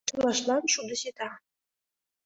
Чылаштлан шудо сита...